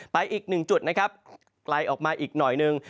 ไปอีกหนึ่งจุดไกลออกมาอีกหน่อยนึง